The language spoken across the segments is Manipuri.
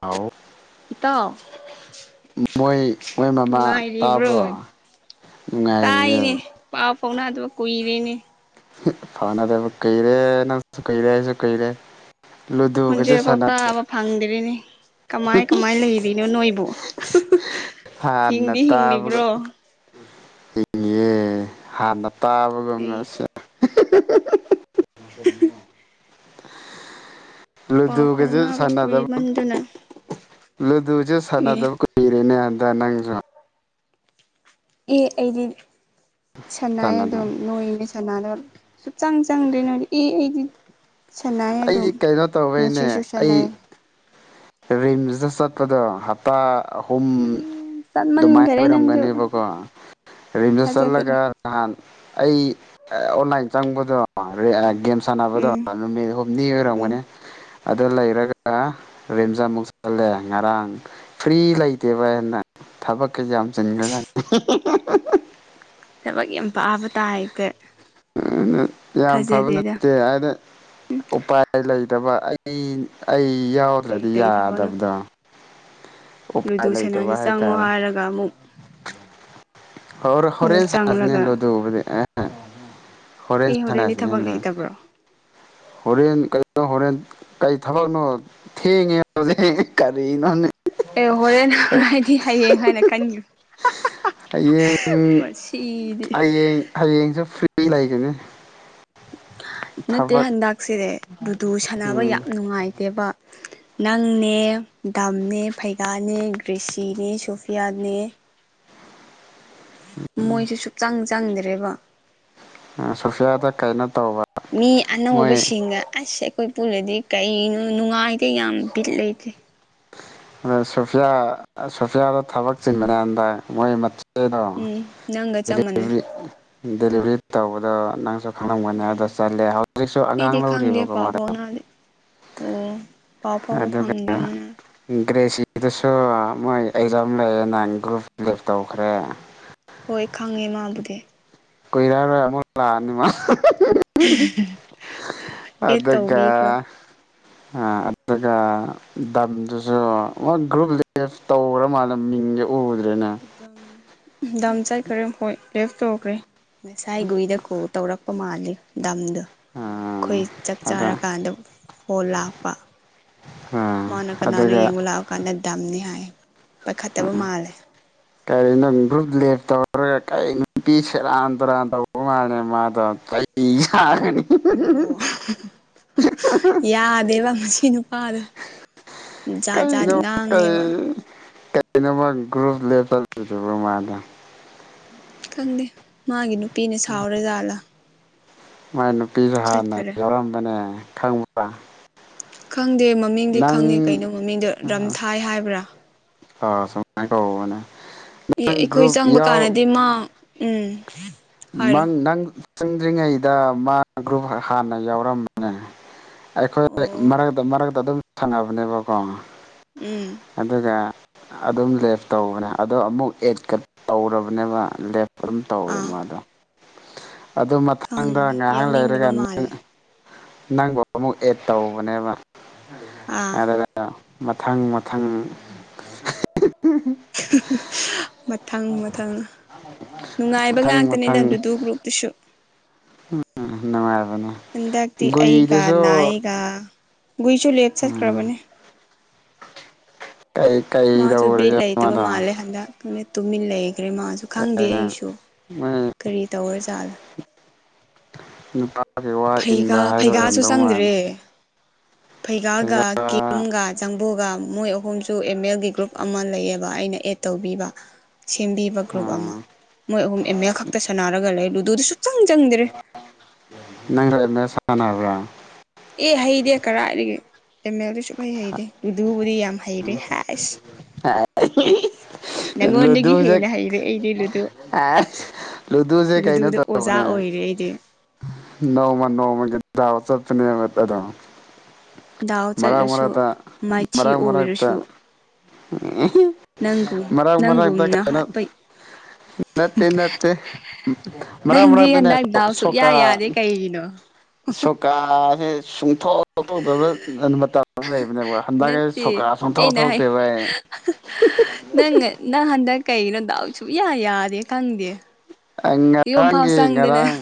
ꯍꯥꯎ ꯏꯇꯥꯎ ꯃꯣꯏ ꯃꯣꯏ ꯃꯃꯥ ꯇꯥꯕ꯭ꯔꯣ ꯅꯨꯡꯉꯥꯏꯔꯤꯕ꯭ꯔꯣ ꯇꯥꯏꯅꯦ ꯅꯨꯡꯉꯥꯏꯔꯤꯌꯦ ꯄꯥꯎ ꯐꯥꯎꯅꯗꯨ ꯀꯨꯏꯔꯦꯅꯦ ꯐꯥꯎꯅꯗꯕ ꯀꯨꯏꯔꯦ ꯅꯪꯁꯨ ꯀꯨꯏꯔꯦ ꯑꯩꯖꯨ ꯀꯨꯏꯔꯦ ꯂꯨꯗꯨꯒꯁꯨ ꯈꯣꯟꯖꯦꯜ ꯐꯥꯎ ꯁꯥꯟꯅ ꯇꯥꯕ ꯐꯪꯗꯦꯔꯦꯅꯦ ꯀꯃꯥꯏ ꯀꯃꯥꯏ ꯂꯩꯔꯤꯅꯣ ꯅꯣꯏꯕꯨ [inaudible] ꯍꯥꯟꯅ ꯍꯤꯡꯗꯤ ꯇꯥꯕꯒ ꯍꯤꯡꯂꯤꯕ꯭ꯔꯣ [unintelligible] ꯑꯩ [unintelligible] ꯄꯥꯎ ꯂꯨꯗꯨꯒꯖꯨ ꯐꯥꯎꯅꯕ ꯁꯥꯟꯅꯗꯕ ꯀꯨꯏꯃꯟꯗꯅ ꯂꯨꯗꯨꯖꯨ ꯑꯦ ꯁꯥꯟꯅꯗꯕ ꯀꯨꯏꯔꯦꯅꯦ ꯍꯟꯗꯛ ꯅꯪꯖꯨ ꯑꯦ ꯑꯩꯗꯤ ꯁꯥꯅꯩꯌꯦ ꯁꯥꯟꯅꯗ ꯑꯗꯨꯝ ꯅꯣꯏꯅꯦ ꯁꯥꯟꯅꯗꯕ ꯁꯨꯛꯆꯪ ꯆꯪꯗ꯭ꯔꯦ ꯅꯣꯏꯗꯤ ꯏ ꯑꯩꯗꯤ ꯁꯥꯟꯅꯩ ꯑꯩꯗꯤ ꯑꯗꯨꯝ ꯀꯩꯅꯣ ꯇꯧꯕꯩꯅꯦ ꯉꯁꯤꯁꯨ ꯑꯩ ꯁꯥꯟꯅꯩ ꯔꯤꯝꯁꯇ ꯆꯠꯄꯗ ꯍꯞꯇꯥ ꯑꯍꯨꯝ ꯑꯗꯨꯃꯥꯏ ꯆꯠꯃꯟꯈꯔꯦ ꯅꯪꯁꯨ ꯑꯣꯏꯔꯝꯒꯅꯤꯕꯀꯣ ꯔꯤꯝꯁ ꯊꯥꯖꯗꯔꯦ ꯆꯠꯂꯒ ꯅꯍꯥꯟ ꯑꯩ ꯑ ꯑꯣꯟꯂꯥꯏꯟ ꯆꯪꯕꯗꯣ ꯔ ꯑ ꯒꯦꯝꯁ ꯁꯥꯟꯅꯕꯗꯣ ꯎꯝ ꯅꯨꯃꯤꯠ ꯍꯨꯝꯅꯤ ꯎꯝ ꯑꯣꯏꯔꯝꯒꯅꯤ ꯑꯗꯨ ꯂꯩꯔꯒ ꯔꯤꯝꯁ ꯑꯃꯨꯛ ꯆꯠꯂꯦ ꯉꯔꯥꯡ ꯐ꯭ꯔꯤ ꯂꯩꯇꯦꯕ [unintelligible] ꯊꯕꯛꯀ ꯌꯥꯝ ꯆꯤꯟꯒ꯭ꯔꯖꯥꯅꯤ ꯏꯍꯤ ꯍꯤ ꯍꯤ ꯍꯤ ꯍꯤ ꯊꯕꯛ ꯌꯥꯝ ꯄꯥꯕ ꯇꯥꯏꯞꯇ ꯌꯥꯝ ꯐꯕ ꯊꯥꯖꯗꯦꯗ ꯅꯠꯇꯦ ꯑꯅ ꯎꯄꯥꯏ ꯂꯩ ꯇꯕ ꯑꯩ ꯑꯩ ꯀꯩ ꯌꯥꯎꯗ꯭ꯔꯗꯤ ꯀꯩ ꯊꯕꯛꯅꯣ ꯌꯥꯗꯕ꯭ꯔ ꯎ ꯄꯥꯏ ꯂꯨꯗꯨ ꯂꯩꯇꯕ ꯁꯅꯥꯁꯦ ꯍꯥꯏ ꯆꯪꯉꯣ ꯇꯥꯔꯦ ꯍꯥꯏꯔꯒ ꯑꯃꯨꯛ ꯍ ꯍꯣꯔ ꯅꯪ ꯍꯣꯔꯦꯟ ꯁꯥꯟꯅꯖꯤꯅꯦ ꯆꯪꯂꯒ ꯂꯨꯗꯣꯕꯨꯗꯤ ꯑꯦ ꯍꯣꯔꯦꯟ ꯑꯦ ꯍꯣꯔꯦꯟꯗꯤ ꯊꯕꯛ ꯁꯥꯟꯅꯖꯤꯅꯦ ꯂꯩꯇꯕ꯭ꯔꯣ [unintelligible] ꯍꯣꯔꯦꯟ ꯀ ꯅꯣ ꯍꯣꯔꯦꯟ ꯀꯩ ꯊꯕꯛꯅꯣ ꯊꯦꯡꯉꯦ ꯍꯧꯖꯤꯛ ꯀꯔꯤꯅꯣꯅꯦ ꯑꯦ ꯍꯣꯔꯦꯟ ꯍꯥꯏꯗꯤ ꯍꯌꯦꯡ ꯍꯥꯏꯅ ꯈꯟꯒꯅ ꯍꯥꯍꯥꯍꯥ ꯍꯌꯦꯡ ꯍꯌꯦꯡ ꯍꯌꯦꯡꯁꯨ ꯐ꯭ꯔꯤ ꯂꯩꯒꯅꯤ ꯅꯠꯇꯦ ꯊꯕꯛ ꯍꯟꯗꯛꯁꯦ ꯂꯗꯨ ꯁꯥꯟꯅꯕ ꯎꯝ ꯌꯥꯝ ꯅꯨꯡꯉꯥꯏꯇꯦꯕ ꯅꯪꯅꯦ ꯗꯥꯝꯅꯦ ꯐꯩꯒꯥꯅꯦ ꯒ꯭ꯔꯦꯁꯤꯅꯦ ꯁꯣꯐꯤꯌꯥꯅꯦ ꯃꯣꯏꯁꯨ ꯁꯨꯛꯆꯪ ꯆꯪꯗ꯭ꯔꯦꯕ ꯑ ꯁꯣꯐꯤꯌꯥꯗ ꯀꯩꯅꯣ ꯇꯧꯕ ꯃꯤ ꯑꯅꯧꯕ ꯃꯣꯏ ꯁꯤꯡꯅ ꯑꯁ ꯈꯣꯏ ꯄꯨꯜꯂꯗꯤ ꯀꯩꯅꯣ ꯅꯨꯡꯉꯥꯏꯇꯦ ꯌꯥꯝ ꯕꯤꯠ ꯂꯩꯇꯦ ꯑ ꯁꯣꯐꯤꯌꯥ ꯑꯥ ꯁꯣꯐꯤꯌꯥꯗꯣ ꯊꯕꯛ ꯆꯤꯟꯕꯅꯦ ꯍꯟꯗꯛ ꯃꯣꯏ ꯃꯠ ꯀꯩꯅꯣ ꯎꯝ ꯅꯪꯒ ꯆꯞ ꯃꯥꯟꯅꯩ ꯗꯦꯂꯤꯚ꯭ꯔꯤ ꯗꯦꯂꯤꯚ꯭ꯔꯤ ꯇꯧꯕꯗ ꯅꯪꯁ ꯎꯝ ꯑꯩꯗꯤ ꯈꯪꯗꯦ ꯄꯥꯎ [unintelligible] ꯐꯥꯎꯅꯗꯦ ꯑꯣ ꯄꯥꯎ ꯄꯥꯎꯕ ꯐꯪ [unintelligible] ꯒ꯭ꯔꯦꯁꯤꯗꯨꯁꯨ ꯃꯣꯏ ꯑꯦꯛꯖꯥꯝ ꯂꯩꯌꯦꯅ ꯒꯔꯨꯞ ꯂꯦꯞ ꯇꯧꯈ꯭ꯔꯦ ꯍꯣꯏ ꯈꯪꯉꯦ ꯃꯥꯕꯨꯗꯤ ꯀꯨꯏꯔꯔꯣꯏ ꯑꯃꯨꯛ ꯂꯥꯑꯅꯤ ꯃꯥ ꯑꯍꯥꯍꯥ ꯑꯍꯦꯍꯦ ꯑꯦ ꯇꯧꯕꯤꯈ꯭ꯔꯣ [unintelligible] ꯇꯧꯒ꯭ꯔ ꯃꯥꯜꯂꯦ ꯃ [unintelligible] ꯗꯝ ꯗꯝ ꯆꯠꯈ꯭ꯔꯦ ꯍꯣꯏ ꯂꯦꯐ ꯇꯧꯈ꯭ꯔꯦ ꯉꯁꯥꯏ ꯒꯨꯡꯗ ꯀꯣꯜ ꯇꯧꯔꯛꯄ ꯃꯥꯜꯂꯦ ꯗꯝꯗ ꯑꯥ ꯈꯣꯏ ꯆꯥꯛ ꯑꯗ ꯆꯥꯔꯀꯥꯟꯗ ꯐꯣꯟ ꯂꯥꯛꯄ ꯑꯥ ꯃꯥꯅ ꯀꯅꯥꯅꯣ ꯑꯗꯨꯒ ꯌꯦꯡꯉꯨ ꯂꯥꯎ ꯀꯟꯗ ꯗꯝꯅꯦ ꯍꯥꯏꯌꯦ ꯄꯥꯏꯈꯠꯇꯕ ꯃꯥꯜꯂꯦ ꯀꯔꯤꯅꯣ ꯒ꯭ꯔꯨꯞ ꯂꯦꯞ ꯇꯧꯔꯒ ꯀꯩ ꯅꯨꯄꯤ ꯁꯦꯔꯥꯟ ꯇꯨꯔꯥꯟ ꯇꯧꯕ ꯃꯥꯜꯂꯦ ꯃꯥꯗꯣ ꯆꯩ [unintelligible] ꯍꯨꯏꯔꯣ ꯌꯥꯗꯦꯕ ꯃꯁꯤ ꯅꯨꯄꯥꯗꯣ ꯥꯖꯥꯠ ꯖꯥꯠ ꯉꯥꯡꯉꯦꯕ ꯀꯩꯅꯣꯝꯃ ꯒ꯭ꯔꯨꯞ ꯂꯦꯞꯇꯧꯔꯤꯗꯨꯕꯨ ꯃꯥꯅ ꯈꯪꯗꯦ ꯃꯥꯒꯤ ꯅꯨꯄꯤꯅ ꯁꯥꯎꯔꯖꯥꯠꯂ ꯃꯥꯏ ꯅꯨꯄꯤꯖꯨ ꯍꯥꯟꯅ ꯌꯥꯎꯔꯝꯕꯅꯦ ꯈꯪꯕ꯭ꯔꯥ ꯈꯪꯗꯦ ꯃꯃꯤꯡꯗꯤ ꯅꯪ ꯈꯪꯉꯦ ꯀꯩꯅꯣ ꯃꯃꯤꯡꯗ ꯔꯝꯊꯥꯏ ꯍꯥꯏꯕ꯭ꯔꯥ ꯑ ꯁꯨꯃꯥꯏ ꯇꯧꯕꯅꯦ ꯑꯦ ꯑꯩꯈꯣꯏ ꯆꯪꯕ ꯀꯥꯟꯗꯗꯤ ꯃꯥ ꯎꯝ ꯍꯥꯏꯔꯣ ꯃꯪ ꯅꯪ ꯆꯪꯗ꯭ꯔꯤꯉꯩꯗ ꯃꯥ ꯒ꯭ꯔꯨꯞ ꯍꯥꯟꯅ ꯌꯥꯎꯔꯝꯕꯅꯦ ꯑꯩꯈꯣꯏ ꯑꯣ ꯃꯔꯛꯇ ꯃꯔꯛꯇ ꯑꯗꯨꯝ ꯁꯥꯟꯅꯕꯅꯦꯕꯀꯣ ꯎꯝ ꯑꯗꯨꯒ ꯑꯗꯨꯝ ꯂꯦꯐ ꯇꯧꯕꯅꯦ ꯑꯗꯣ ꯑꯃꯨꯛ ꯑꯦꯗꯀ ꯇꯧꯔꯕꯅꯦꯕ ꯂꯦꯐ ꯑꯗꯨꯝ ꯇꯧꯋꯦ ꯑꯥ ꯃꯥꯗꯣ ꯑꯗꯨ ꯃꯊꯪꯗ ꯈꯪꯉꯦ ꯉꯥꯏꯍꯥꯛ ꯌꯥꯎꯅꯤꯡꯗꯕ ꯂꯩꯔꯒꯅꯪ ꯃꯥꯜꯂꯦ ꯅꯪ ꯕꯨ ꯑꯃꯨꯛ ꯑꯦꯗ ꯇꯧꯕꯅꯦꯕ ꯑꯥ ꯑꯗꯨꯒ ꯃꯊꯪ ꯃꯊꯪ ꯃꯊꯪ ꯃꯊꯪ ꯅꯨꯡꯉꯥꯏꯕ ꯃꯊꯪ ꯉꯥꯛꯇꯅꯤ [unintelligible] ꯒ꯭ꯔꯨꯞꯇꯁꯨ ꯎꯝ ꯅꯨꯡꯉꯥꯏꯕꯅꯦ ꯍꯟꯗꯛꯇꯤ ꯑꯩꯒ ꯒꯨꯏꯗꯨꯁꯨ ꯅꯥꯏꯒ ꯒꯨꯏꯁꯨ ꯂꯦꯠ ꯎꯝ ꯆꯠꯈ꯭ꯔꯕꯅꯦ ꯀꯩ ꯃꯥꯁꯨ ꯕꯤꯠ ꯀꯩꯗꯧꯔꯒꯦ ꯂꯩꯇꯕ ꯃꯥꯗꯣ ꯃꯥꯜꯂꯦ ꯍꯟꯗꯛ ꯇꯨꯃꯤꯟ ꯂꯩꯈ꯭ꯔꯦ ꯃꯥꯁꯨ ꯈꯪꯗꯦ ꯀꯩꯅ ꯑꯩꯁꯨ ꯃꯣꯏ ꯀꯔꯤ ꯇꯧꯔ ꯖꯥꯠꯂ ꯅꯨꯄꯥꯒꯤ ꯋꯥ ꯐꯩꯒꯥ ꯏꯟꯕ ꯍꯥꯏꯗꯣ ꯐꯩꯒꯥꯁꯨ ꯑꯣꯏꯔꯝꯗꯧ ꯃꯥꯥꯜꯂꯦ ꯆꯪꯗ꯭ꯔꯦ ꯐꯩꯒꯥꯒ ꯀꯤꯝꯒ ꯖꯥꯪ ꯕꯨꯒ ꯃꯣꯏ ꯑꯍꯨꯝꯁꯨ ꯑꯦꯝ ꯑꯦꯜꯒꯤ ꯒ꯭ꯔꯨꯞ ꯑꯃ ꯂꯩꯌꯦꯕ ꯑꯩꯅ ꯑꯦꯠ ꯇꯧꯕꯤꯕ ꯁꯦꯝꯕꯤꯕ ꯒ꯭ꯔꯨꯞ ꯑꯃ ꯎꯝ ꯃꯣꯏ ꯑꯍꯨꯝ ꯑꯦꯝ ꯑꯦꯜ ꯈꯛꯇ ꯁꯥꯟꯅꯔꯒ ꯂꯩꯕ ꯗꯨꯗ ꯁꯨꯛꯆꯪ ꯆꯪꯗ꯭ꯔꯦ ꯅꯪꯁꯨ ꯑꯦꯜ ꯑꯦꯜ ꯁꯥꯅꯕ꯭ꯔꯥ ꯑꯦ ꯍꯩꯗꯦ ꯀꯔꯥꯏꯗꯒꯤ ꯑꯦꯝ ꯑꯦꯜꯗꯤ ꯁꯨꯡꯍꯩ ꯍꯩꯗꯦ ꯗꯨꯕꯨꯗꯤ ꯌꯥꯝ ꯍꯩꯔꯦ ꯍꯥꯏꯁ ꯅꯉꯣꯟꯗꯒꯤ ꯂꯨꯗꯨꯁꯦ ꯍꯦꯟꯅ ꯍꯩꯔꯦ ꯑꯩꯗꯤ ꯂꯨꯗꯣ ꯑꯁ ꯂꯨꯗꯨꯁꯦ ꯀꯩꯅꯣ ꯂꯨꯗꯨꯗ ꯑꯣꯖꯥ ꯇꯧꯕꯅꯦ ꯑꯣꯏ [unintelligible] ꯑꯩꯗꯤ ꯅꯣꯡꯃ ꯅꯣꯡꯃꯒꯤ ꯗꯥꯎ ꯆꯠꯄꯅꯦꯕ ꯑꯗꯣ ꯗꯥꯎ ꯃꯔꯛ ꯆꯠꯂꯁꯨ ꯃꯔꯛꯇ ꯃꯥꯏ ꯃꯔꯛ ꯃꯔꯛꯇ ꯅꯪꯒꯨꯝ ꯃꯔꯛ ꯃꯔꯛꯇ ꯅꯪꯒꯨꯝꯅ ꯀꯩꯅꯣ ꯍꯥꯠꯄ ꯅꯠꯇꯦ ꯅꯠꯇꯦ ꯃꯔꯛ ꯅꯪꯗꯤ ꯃꯔꯛꯗꯅꯦ ꯍꯟꯗꯛ ꯁꯣ ꯗꯥꯎ ꯁꯨꯛꯌꯥ ꯁꯣꯀꯥ ꯌꯥꯗꯦ ꯀꯩꯒꯤꯅꯣ ꯁꯣꯀꯥꯁꯦ ꯁꯨꯡꯊꯣꯛ ꯊꯣꯛꯇꯕ ꯃꯇꯝꯃ ꯂꯩꯕꯅꯦꯕ ꯍꯟꯗꯛ ꯑꯩ ꯅꯠꯇꯦ ꯁꯣꯀꯥ ꯁꯨꯡꯊꯣꯛ ꯑꯩꯩꯅ ꯍꯥꯏ ꯊꯣꯛꯇꯦꯕ ꯅꯪꯉ ꯅꯪ ꯍꯥꯟꯅ ꯗꯛ ꯀꯩꯩꯒꯤꯅꯣ ꯗꯥꯎ ꯁꯨꯡꯌꯥ ꯌꯥꯗꯦ ꯈꯪꯗꯦ ꯑ ꯌꯨꯝꯐꯥꯎ ꯉꯔꯥꯡꯒꯤ ꯆꯪꯗꯅ ꯉꯔꯥꯡ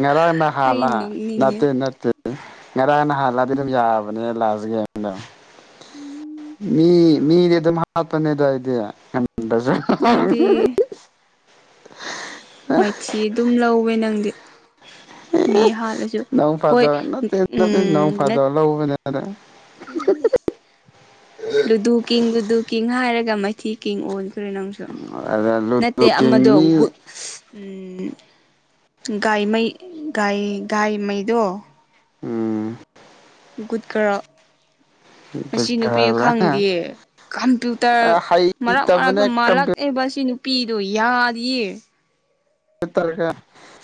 ꯉꯔꯥꯡ ꯑꯩ ꯅꯍꯥꯜꯂꯥ ꯅꯣꯛꯅꯤꯡꯉꯦ ꯅꯠꯇꯦ ꯅꯠꯇꯦ ꯉꯔꯥꯡ ꯅꯍꯥꯟꯂꯥꯗꯤ ꯑꯗꯨꯝ ꯌꯥꯕꯅꯦ ꯂꯥꯁꯒꯦꯝꯗꯣ ꯃꯤ ꯃꯤꯗꯤ ꯑꯗꯨꯝ ꯍꯥꯠꯄꯅꯦꯗ ꯑꯩꯗꯤ ꯅꯪꯗꯤ [unintelligible] ꯃꯥꯏꯊꯤ ꯑꯗꯨꯝ ꯂꯧꯋꯦ ꯅꯪꯗꯤ ꯃꯤ ꯍꯥꯠꯂꯁꯨ ꯅꯣꯡ ꯍꯣꯏ ꯐꯥꯗꯣꯛ ꯅꯠꯇꯦ ꯅꯠꯇꯦ ꯅꯣꯡ ꯎꯝ ꯅꯠ ꯐꯥꯗꯣꯛ ꯂꯧꯕꯅꯦ ꯂꯨꯗꯨ ꯀꯤꯡ ꯂꯨꯗꯨ ꯀꯤꯡ ꯍꯥꯏꯔꯒ ꯃꯥꯏꯊꯤ ꯀꯤꯡ ꯑꯣꯜꯂꯦ ꯔꯦ ꯅꯪꯁꯨ ꯑꯗ ꯅꯠꯇꯦ ꯂꯨꯗꯣ ꯑꯃꯗꯣ ꯀꯤꯡ ꯃꯤ ꯒꯨꯠ ꯎꯝ ꯒꯥꯏꯃꯩ ꯒꯥꯏ ꯒꯥꯏꯃꯩꯗꯣ ꯎꯝ ꯨꯒꯨꯠꯒꯔꯜ ꯃꯁꯤ ꯅꯨꯄꯤ ꯈꯪꯗꯤꯌꯦ ꯀꯝꯄ꯭ꯌꯨꯇꯔ ꯃꯔꯛ ꯃꯔꯛꯇ ꯍꯩꯇꯕꯅꯦ ꯃꯥꯜꯂꯛꯑꯦ ꯃꯁꯤ ꯅꯨꯄꯤꯗꯣ ꯌꯥꯗꯤꯌꯦ ꯇꯔꯒ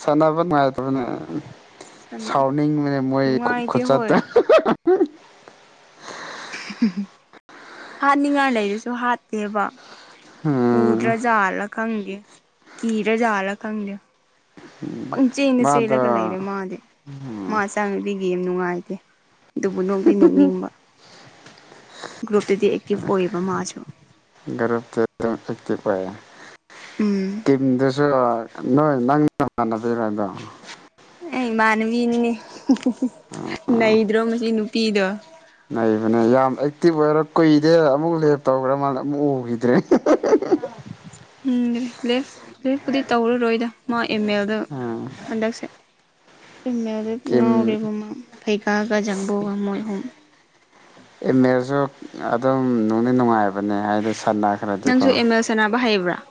ꯁꯥꯟꯅꯕ ꯅꯨꯡꯉꯏ ꯇ꯭ꯔꯅꯦ [unintelligible] ꯁꯝꯅ ꯁꯥꯎꯅꯤꯡ ꯕꯥꯅꯦ ꯃꯣꯏ ꯈꯨ ꯅꯨꯡꯉꯥꯏꯇꯦ ꯈꯨꯆꯠ ꯍꯣꯏ ꯇꯣ ꯍꯥꯠꯅꯤꯡꯉꯥꯏ ꯂꯩꯔꯁꯨ ꯍꯥꯠꯇꯦꯕ ꯎꯝ ꯎꯗ꯭ꯔꯖꯂ ꯈꯪꯗꯦ ꯀꯤꯔ ꯖꯠꯂ ꯈꯪꯗꯦ ꯄꯪ ꯆꯦꯅ ꯆꯦꯜꯂꯒ ꯃꯥꯗꯣ ꯂꯩꯔꯦ ꯃꯥꯗꯤ ꯃꯆꯥꯥꯡꯗꯤ ꯒꯦꯝ ꯅꯨꯡꯉꯥꯏ ꯑꯗꯨꯕꯨ ꯅꯣꯛꯗꯤ ꯅꯣꯛꯅꯤꯡꯕ ꯒ꯭ꯔꯨꯞꯇꯗꯤ ꯑꯦꯛꯇꯤꯚ ꯑꯣꯏꯌꯦꯕ ꯃꯥꯁꯨ ꯎꯝ [unintelligible] ꯇꯤꯝꯗꯁꯨ ꯅꯣꯏ ꯅꯪꯅꯃꯥꯟꯅꯕꯤꯔꯗꯣ ꯑꯩ ꯏꯃꯥꯟꯅꯕꯤꯅꯤꯅꯦ ꯅꯩꯗ꯭ꯔꯣ ꯃꯁꯤ ꯅꯨꯄꯤꯗꯣ ꯅꯩꯕꯅꯦ ꯌꯥꯝ ꯑꯦꯛꯇꯤꯚ ꯑꯣꯏꯔ ꯀꯨꯏꯗꯦ ꯑꯃꯨꯛ ꯂꯦꯞꯇꯧꯈ꯭ꯔ ꯃꯥꯜꯂꯦ ꯑꯃꯨꯛ ꯎꯈꯤꯗ꯭ꯔꯦ [inaudible] ꯎꯝ ꯂꯦꯞ ꯂꯦꯞꯄꯨꯗꯤ ꯇꯧꯔꯔꯣꯏꯗ ꯃꯥ ꯏꯃꯦꯜꯗ ꯍꯟꯗꯛꯁꯦ ꯏꯃꯦꯜꯗ ꯀꯤꯝ ꯉꯥꯎꯔꯦꯕꯃ ꯐꯩꯀꯥꯒ ꯖꯪꯕꯨꯒ ꯃꯣꯏꯍꯨꯝ ꯏꯃꯦꯜꯁꯨ ꯑꯗꯨꯝ ꯅꯨꯡꯗꯤ ꯅꯨꯡꯉꯥꯏꯕꯅꯦ ꯍꯥꯏꯗꯤ ꯁꯥꯟꯅꯈ꯭ꯔꯗꯤꯀꯣ ꯃꯥ ꯍꯩꯕꯔꯥ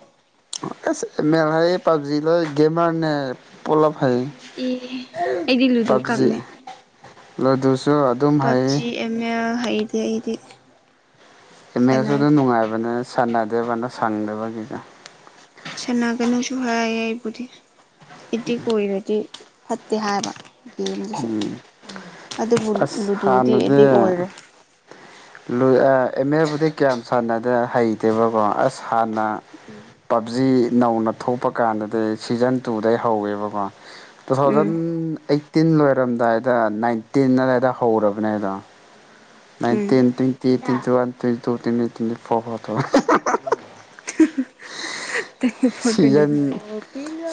ꯑꯦꯃꯦꯜ ꯍꯩ ꯄꯞꯖꯤ ꯂꯣꯏ ꯒꯦꯝꯃꯔꯅꯦ ꯄꯣꯂꯞ ꯍꯩ ꯑꯦ ꯑꯩꯗꯤ ꯂꯨꯗꯨ ꯄꯞꯖꯤ ꯈꯛꯅꯦ ꯂꯨꯗꯨ ꯄꯞꯖꯤ ꯑꯦꯝ ꯑꯦꯜ ꯍꯩꯇꯦ ꯑꯩꯗꯤ ꯑꯦꯝ ꯑꯦꯜꯁꯨ ꯑꯗꯨꯝ ꯁꯥꯟꯅꯗꯦ ꯅꯨꯡꯉꯥꯏꯕꯅꯤ ꯁꯥꯟꯅꯗꯦꯕ ꯁꯪꯗꯕꯒꯤꯒꯥ ꯁꯅꯒꯅꯨꯁꯨ ꯍꯥꯏꯌꯦ ꯑꯩꯕꯨꯗꯤ ꯑꯦꯗꯤꯛ ꯑꯣꯏꯔꯗꯤ ꯐꯠꯇꯦ ꯍꯥꯏꯕ ꯒꯦꯝꯗꯨꯁꯨ ꯑꯗꯨꯕꯨ ꯑꯁ ꯂꯨꯗꯨꯗꯤ ꯑꯦꯗꯤꯛ ꯑꯣꯏꯔꯦ ꯂꯨꯏ ꯑ ꯑꯦꯝ ꯑꯦꯜꯕꯨꯗꯤ ꯀꯌꯥꯝ ꯁꯥꯟꯅꯗꯦ ꯍꯩꯇꯦꯕꯀꯣ ꯑꯁ ꯍꯥꯟꯅ ꯄꯞꯖꯤ ꯅꯧꯅ ꯊꯣꯛꯄ ꯀꯥꯟꯗꯗꯤ ꯁꯤꯖꯟ ꯇꯨꯗꯩ ꯍꯧꯋꯦꯕꯀꯣ two um thousand eighteen ꯂꯣꯏꯔꯝꯗꯥꯏꯗ ꯅꯥꯏꯟꯇꯤꯟ ꯑꯗꯥꯏꯗ ꯍꯧꯔꯕꯅꯦꯗꯣ ꯎꯝ nineteen twenty twenty one twenty two ꯇꯠ ꯇ꯭ꯋꯦꯟꯇꯤ ꯐꯣꯔ ꯐꯧꯎ ꯇꯧꯋꯦ ꯍꯤꯍꯤ [unintelligible] ꯇ꯭ꯋꯦꯟꯇꯤ ꯁꯤꯖꯟ ꯐꯣꯔ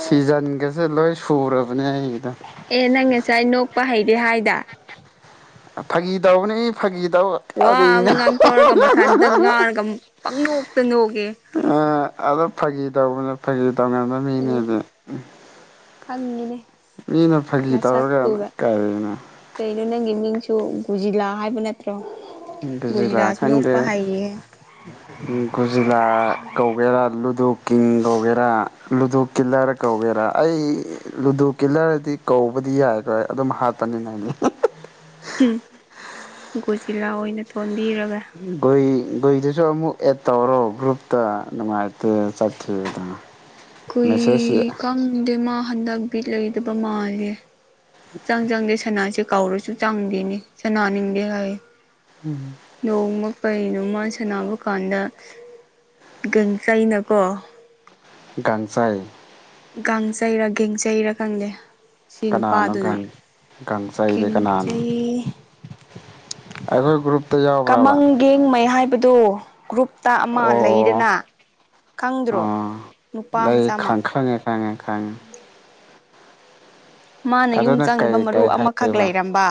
ꯁꯤꯖꯟꯒꯁꯦ ꯂꯣꯏ ꯁꯨꯔꯕꯅꯦ ꯑꯩꯒꯤꯗꯣ ꯄ ꯍꯩꯗꯦ ꯍꯥꯏꯗ ꯐꯥꯒꯤ ꯇꯧꯕꯅꯦ ꯐꯥꯒꯤ ꯇꯧ ꯋꯥ ꯑꯃ ꯀꯔꯤꯅꯣ ꯉꯥꯡꯊꯣꯛꯔꯒ ꯍꯨꯡ ꯍꯨꯡ ꯃꯊꯟꯇ ꯍꯨꯡ ꯉꯥꯡꯔꯒ ꯄꯪꯅꯣꯛꯇ ꯅꯣꯛꯑꯦ ꯑ ꯑꯗꯣ ꯐꯥꯒꯤ ꯇꯧꯕꯅꯦ ꯐꯥꯒꯤ ꯇꯧꯅꯕ ꯎꯝ ꯃꯤꯅꯦꯗꯤ ꯈꯪꯉꯤꯅꯦ ꯃꯤꯅ ꯐꯥꯒꯤ ꯇꯧꯔꯒ ꯅꯁꯛꯇꯨꯕ ꯀꯔꯤꯅꯣ ꯀꯩꯅꯣ ꯅꯪꯒꯤ ꯃꯤꯡ ꯁꯨ ꯒꯨꯖꯤꯂꯥ ꯍꯥꯏꯕ ꯅꯠꯇ꯭ꯔꯣ ꯒꯣꯖꯤꯂꯥ ꯒꯨꯖꯤꯔꯥꯁꯨ ꯈꯪꯗꯦ ꯂꯣꯛꯄ ꯍꯩꯌꯦ ꯒꯣꯖꯤꯂꯥ ꯀꯧꯒꯦꯔꯥ ꯂꯨꯠ ꯂꯣꯗꯨ ꯀꯤꯡ ꯀꯧꯒꯦꯔꯥ ꯂꯨꯗꯨ ꯀꯤꯜꯂꯔ ꯀꯧꯒꯦꯔꯥ ꯑꯩ ꯂꯨꯗꯨ ꯀꯤꯜꯂꯔꯗꯤ ꯀꯧ ꯇꯧꯕꯗꯤ ꯌꯥꯔꯣꯏ ꯑꯗꯨꯝ ꯍꯥꯠꯄꯅꯤꯅ ꯑꯩꯗꯤ ꯍꯝ ꯨꯒꯣꯖꯤꯂꯥ ꯑꯣꯏꯅ ꯊꯣꯟ ꯒꯨꯏ ꯒꯨꯏꯗꯨꯁꯨ ꯑꯃꯨꯛ ꯑꯦꯠ ꯇꯧꯔꯣ ꯒ꯭ꯔꯨꯞꯇ ꯅꯨꯡꯉꯥꯏꯇꯦ ꯆꯠꯈꯤꯕꯗꯣ ꯀꯨꯏ ꯃꯦꯁꯦꯖꯁꯤ ꯈꯪꯗꯦ ꯃꯥ ꯍꯟꯗꯛ ꯕꯤꯠ ꯂꯩꯇꯕ ꯃꯥꯜꯂꯦ ꯁꯨꯛꯆꯡ ꯆꯪꯗꯦ ꯁꯅꯥꯁꯦ ꯀꯧꯔꯁꯨ ꯆꯪꯗꯦꯅꯦ ꯁꯅꯥꯅꯤꯡꯗꯦ ꯍꯥꯏꯌꯦ ꯅꯣꯡꯃ ꯀꯩꯅꯣ ꯃꯥ ꯁꯥꯟꯅꯕ ꯀꯥꯟꯗ ꯒꯟꯀꯩꯅꯀꯣ ꯒꯥꯡꯆꯥꯏ ꯒꯥꯡꯖꯩꯔ ꯒꯦꯡꯖꯩꯔꯥ ꯈꯪꯗꯦ ꯁꯤ ꯀꯅꯥꯅꯣ ꯅꯨꯄꯥꯗꯨꯅ ꯒꯥꯡ ꯒꯥꯡꯆꯩꯗꯤ ꯀꯅꯥꯅꯣ ꯒꯦꯡꯆꯩ ꯑꯈꯣꯏ ꯒꯔꯨ꯭ꯞ ꯀꯃꯜ ꯒꯦꯡꯃꯩ ꯍꯥꯏꯕꯗꯨ ꯒ꯭ꯔꯨꯞ ꯍꯞꯇꯥ ꯑꯃ ꯑꯣ ꯑꯣ ꯂꯩꯗꯅ ꯈꯪꯗ꯭ꯔꯣ ꯑꯥ ꯅꯨꯄꯥ ꯂꯩ ꯃꯆꯥꯃ ꯈꯪ ꯈꯪꯉꯦ ꯈꯪꯉꯦ ꯈꯪꯉꯦ ꯃꯥꯅ ꯌꯨꯝ ꯑꯗꯨꯅ ꯆꯪꯅꯕ ꯀꯩ ꯃꯔꯨ ꯀꯩ ꯑꯃꯈꯛ ꯍꯥꯏꯕ ꯂꯩꯔꯝꯕ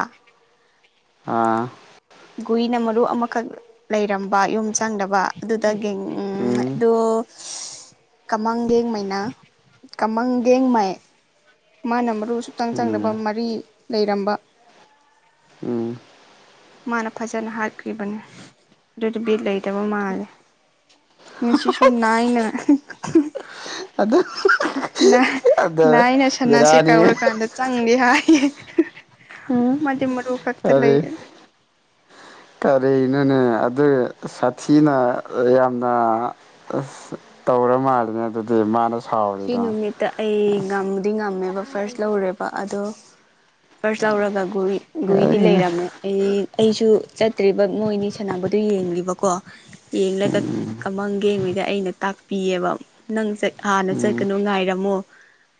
ꯑꯥ ꯒꯨꯏꯅ ꯃꯔꯨ ꯑꯃꯈꯛ ꯂꯩꯔꯝꯕ ꯌꯨꯝ ꯆꯪꯗꯕ ꯑꯗꯨꯗꯒꯤ ꯎꯝ ꯑꯗꯨ ꯀꯃꯥꯡꯒꯦꯡ ꯃꯩꯅꯥ ꯀꯃꯥꯡꯒꯦꯡ ꯃꯥꯏ ꯃꯥꯅ ꯒꯨ ꯁꯨꯛꯆꯪ ꯆꯪꯗꯕ ꯎꯝ ꯃꯔꯤ ꯂꯩꯔꯝꯕ ꯎꯝ ꯃꯥꯅ ꯐꯖꯅ ꯍꯥꯠꯈꯤꯕꯅꯦ ꯑꯗꯨꯒꯤ ꯕꯤꯠ ꯂꯩ ꯇꯕ ꯃꯥꯜꯂꯦ ꯁꯤꯁꯨꯨꯔ ꯅꯥꯏꯅ ꯑꯗꯨ ꯅꯥꯏ ꯑꯗ ꯅꯥꯏꯅ ꯁꯅꯥꯁꯦ ꯕꯦꯔꯥꯅꯤ ꯀꯧꯔꯀꯥꯟꯗ ꯆꯪꯒꯦ ꯍꯥꯏꯌꯦ ꯃꯗꯤ ꯃꯔꯨ ꯈꯛꯇ ꯀꯔꯤ ꯂꯩꯌꯦ ꯀꯔꯤꯅꯣꯅꯦ ꯑꯗꯨ ꯁꯥꯊꯤꯅ ꯌꯥꯝꯅ ꯑꯁ ꯇꯥꯄ ꯇꯧꯔ ꯃꯥꯜꯂꯤꯅꯦ ꯑꯗꯨꯗꯤ ꯃꯥꯅ ꯁꯤ ꯁꯥꯎꯔꯤꯗꯣ ꯅꯨꯃꯤꯠꯇ ꯑꯩ ꯉꯝꯃꯗꯤ ꯉꯝꯃꯦꯕ ꯐꯥꯔꯁ ꯂꯧꯔꯦꯕ ꯑꯗꯣ ꯐꯥꯔꯁ ꯂꯧꯔꯒ ꯒꯨ ꯒꯨꯔꯤꯗꯤ ꯂꯩꯔꯝꯃꯦ ꯑꯩ ꯑꯩꯁꯨ ꯆꯠꯇ꯭ꯔꯤꯕ ꯃꯣꯏꯅꯤ ꯁꯥꯟꯅꯕꯗꯨ ꯌꯦꯡꯂꯤꯕꯀꯣ ꯌꯦꯡꯂꯒ ꯀꯃꯪ ꯒꯦꯝꯃꯤꯒ ꯑꯩꯅ ꯇꯥꯛꯄꯤꯑꯦꯕ ꯅꯪ ꯁꯦ ꯍꯥꯟꯅ ꯎꯝ ꯆꯠꯀꯅꯣ ꯉꯥꯏꯔꯝꯃꯣ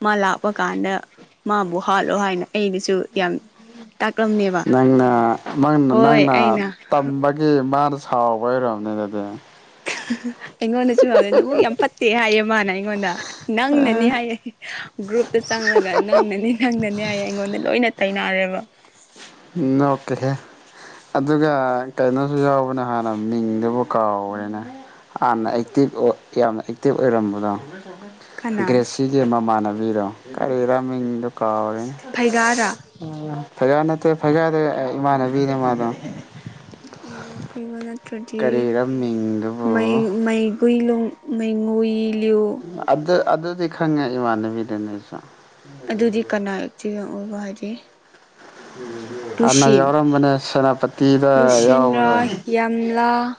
ꯃꯥ ꯂꯥꯛꯄ ꯀꯥꯟꯗ ꯃꯥꯕꯨ ꯍꯥꯠꯂꯣ ꯍꯥꯏꯅ ꯑꯩꯅꯁꯨ ꯌꯥꯝ ꯇꯥꯛꯂꯝꯃꯦꯕ ꯅꯪꯅ ꯅꯪꯅ ꯍꯣꯏ ꯅꯪꯅ ꯑꯩꯅ ꯇꯝꯕꯒꯤ ꯃꯥꯗꯨ ꯁꯥꯎꯕꯩ ꯑꯣꯏꯔꯝꯅꯤ ꯑꯗꯨꯗꯤ [unintelligible] ꯑꯩꯉꯣꯟꯗꯁꯨ ꯍꯪꯉꯦ ꯅꯕꯨꯛ ꯌꯥꯝ ꯐꯠꯇꯦ ꯍꯥꯏꯌꯦ ꯃꯥꯅ ꯑꯩꯉꯣꯟꯗ ꯅꯪꯅꯅꯤ ꯍꯥꯏꯌꯦ ꯒ꯭ꯔꯨꯞꯇ [unintelligible] ꯅꯪꯅꯅꯤ ꯅꯪꯅꯅꯦ ꯍꯥꯏꯌꯦ ꯑꯩꯉꯣꯟꯗ ꯂꯣꯏꯅ ꯇꯥꯏꯅꯔꯦꯕ ꯅꯣꯛꯀꯦꯍꯦ ꯑꯗꯨꯒ ꯀꯩꯅꯣꯁꯨ ꯌꯥꯎꯕꯅ ꯍꯥꯟꯅ ꯃꯤꯡꯗꯨꯕꯨ ꯀꯥꯎꯋꯦꯅꯦ ꯍꯥꯟꯅ ꯑꯦꯛꯇꯤꯚ ꯑꯣꯏ ꯌꯥꯝꯅ ꯑꯦꯛꯇꯤꯚ ꯑꯣꯏꯔꯝꯕ꯭ꯔꯥ ꯀꯅꯥꯅ ꯒ꯭ꯔꯦꯁꯤꯗꯤ ꯃꯃꯥꯟꯅꯕꯤꯔꯣ ꯀꯔꯤꯕ ꯃꯤꯡꯗꯣ ꯀꯥꯎꯔꯦ ꯐꯩꯒꯥꯔꯥ ꯎꯝ ꯐꯩꯔꯥ ꯅꯠꯇꯦ ꯐꯩꯔꯥꯗꯤ ꯏꯃꯥꯟꯅꯕꯤꯅꯦ ꯃꯥꯗꯣ ꯎꯝ ꯐꯩꯔꯥ ꯅꯠꯇ꯭ꯔꯗꯤ ꯀꯔꯤꯔ ꯃꯩ ꯃꯤꯡꯗꯨꯕꯨ ꯃꯩ [unintelligible] ꯃꯩꯂꯨꯡ ꯃꯩꯉꯨꯏ ꯂꯤꯌꯨ ꯑꯗꯨ ꯑꯗꯨꯗꯤ ꯈꯪꯉꯦ ꯏꯃꯥꯟꯅꯕꯤꯅꯦ ꯗꯅꯦꯁꯨ ꯑꯗꯨꯗꯤ ꯀꯅꯥ [unintelligible] ꯍꯥꯏꯗꯤ ꯑꯃ ꯂꯨꯁꯤꯟ ꯌꯥꯎꯔꯝꯕꯅꯦ ꯁꯦꯅꯥꯄꯇꯤ ꯇꯤꯗ ꯌꯥꯎꯕꯔ ꯂꯨꯁꯤꯟꯔꯥ ꯌꯥꯝꯂꯥ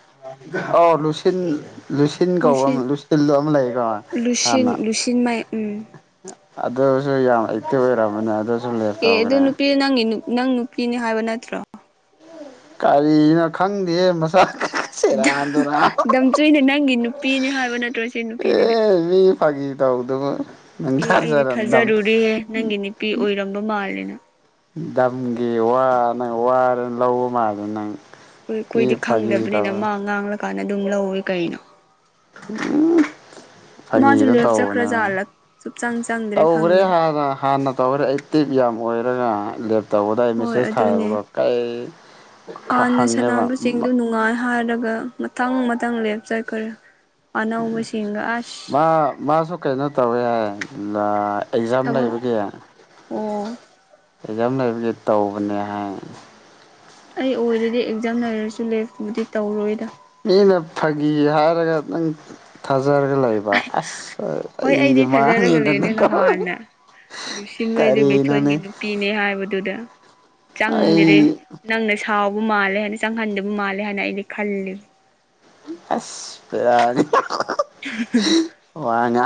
ꯑꯧ ꯂꯨꯁꯤꯟ ꯂꯨꯁꯤꯟ ꯀꯧꯕ ꯑꯃ ꯂꯨꯁꯤꯜꯂꯣ ꯑꯃ ꯂꯩꯀꯣ ꯂꯨꯁꯤꯟ ꯍꯥꯟꯅ ꯂꯨꯁꯤꯟꯃꯥꯏ ꯎꯝ ꯑꯗꯨꯁꯨ ꯌꯥꯝ ꯑꯦꯛꯇꯤꯚ ꯑꯣꯏꯔꯝꯕꯅꯦ ꯑꯗꯨ ꯑꯦ ꯑꯗꯨ ꯅꯨꯄꯤ ꯅꯪꯒꯤ ꯅꯪ ꯅꯨꯄꯤꯅꯦ ꯍꯥꯏꯕ ꯅꯠꯇ꯭ꯔꯣ ꯀꯔꯤꯅꯣ ꯈꯪꯗꯦꯍꯦ ꯃꯁꯛ ꯁꯦꯔꯥꯟ ꯇꯨꯔꯥꯟ ꯗꯝꯆꯨꯏꯅ ꯅꯪꯒꯤ ꯅꯨꯄꯤꯅꯦ ꯍꯥꯏꯕ ꯅꯠꯇ꯭ꯔꯣ ꯁꯤ ꯅꯨꯄꯤꯗꯨꯗꯤ ꯇꯥꯎꯗꯕ ꯑꯦ ꯑꯩꯗꯤ ꯊꯥꯖꯔꯨꯔꯦ ꯅꯪꯒꯤ ꯅꯨꯄꯤ ꯑꯣꯏꯔꯝꯕ ꯃꯥꯜꯂꯦꯅ ꯗꯥꯝꯒꯤ ꯋꯥꯅꯦ ꯋꯥꯅꯦꯅ ꯂꯧꯕ ꯃꯥꯜꯂꯦ ꯅꯪ ꯍꯣꯏ ꯁꯤ ꯑꯩꯈꯣꯏꯗꯤ ꯐꯥꯒꯤ ꯈꯪꯗꯕꯅꯤꯅ ꯇꯧ ꯃꯥ ꯉꯥꯡꯂꯀꯥꯟꯗ ꯑꯗꯨꯝ ꯂꯧꯋꯦ ꯀꯩꯅꯣ ꯎꯝ ꯐꯥꯒꯤ ꯃꯥꯁꯨ ꯑꯗꯨꯝ ꯂꯦꯞ ꯇꯧꯕꯅꯦ ꯆꯠꯈ꯭ꯔꯖꯥꯠꯂ ꯁꯨꯞꯆꯪ ꯆꯪꯗ꯭ꯔꯦ ꯇꯧꯈ꯭ꯔꯦ ꯈꯪꯗꯦ ꯍꯥꯟꯅ ꯍꯥꯟꯅ ꯇꯧꯈ꯭ꯔꯦ ꯑꯦꯛꯇꯤꯚ ꯌꯥꯝ ꯑꯣꯏꯔꯒ ꯇꯧꯕꯗꯥ ꯍꯣꯏ ꯃꯦꯁꯦꯖ ꯑꯗꯨꯅꯦ ꯊꯥꯏꯌꯦꯕꯀꯣ ꯀꯩ ꯍꯪꯉꯦꯕ ꯑꯗꯨꯒ ꯃꯊꯪ ꯃꯊꯪ ꯂꯦꯞꯆꯈꯔꯦ ꯃꯥ ꯃꯥꯁꯨ ꯀꯩꯅꯣ ꯇꯧꯋꯦ ꯍꯥꯏ ꯑꯦꯛꯖꯥꯝ ꯊꯕꯛ ꯂꯩꯕꯒꯤ ꯑꯣ ꯑꯦꯛꯖꯥꯝ ꯂꯩꯕꯁꯦ ꯇꯧꯕꯅꯦ ꯍꯥꯏ ꯑꯩ ꯑꯣꯏꯔꯗꯤ ꯑꯦꯛꯖꯥꯝ ꯂꯩꯔꯁꯨ ꯂꯦꯞꯄꯕꯨꯗꯤ ꯇꯧꯔꯣꯏꯗ ꯑꯩꯅ ꯐꯥꯒꯤ ꯍꯥꯏꯔꯒ ꯅꯪ ꯊꯥꯖ ꯊꯖꯔꯒ ꯂꯩꯕ ꯑꯁ ꯍꯣꯏ ꯑꯩꯗꯤ ꯃꯥꯉꯦꯗꯅ ꯀꯣ ꯂꯨꯁꯤꯟꯈꯩꯗꯨ ꯕꯦꯊꯣꯟꯒꯤ ꯅꯨꯄꯤꯅꯦ ꯍꯥꯏꯕꯗꯨꯗ ꯑꯩ ꯆꯪꯗꯔꯤ ꯅꯪꯅ ꯁꯨꯝ ꯁꯥꯎꯕ ꯃꯥꯜꯂꯦ ꯍꯥꯏꯅ ꯆꯪꯍꯟꯗꯕ ꯃꯥꯜꯂꯦ ꯍꯥꯏꯅ ꯑꯩꯅ ꯈꯜꯂꯤꯕ ꯑꯁ ꯄꯦꯔꯥꯅꯤ [unintelligible] ꯋꯥꯉꯥꯡ